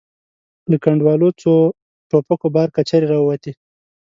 له کنډوالو څو په ټوپکو بار کچرې را ووتې.